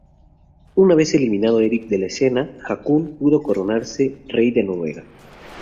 Una vez eliminado Erik de la escena, Haakon pudo coronarse rey de Noruega.